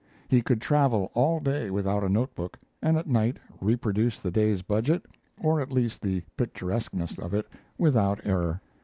He could travel all day without a note book and at night reproduce the day's budget or at least the picturesqueness of it, without error.